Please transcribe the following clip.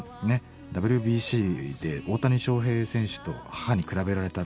ＷＢＣで大谷翔平選手と母に比べられた。